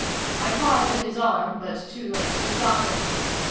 I caught at his arm, but too late to stop him.